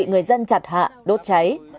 bị người dân chặt hạ đốt cháy